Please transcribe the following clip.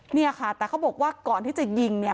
เนี่ยค่ะแต่เขาบอกว่าก่อนที่จะยิงเนี่ย